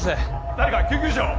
誰か救急車を。